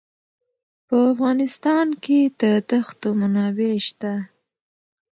په افغانستان کې د دښتو منابع شته.